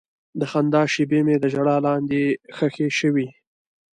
د خندا شېبې مې د ژړا لاندې ښخې شوې.